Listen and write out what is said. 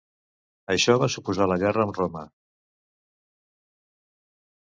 Això va suposar la guerra amb Roma.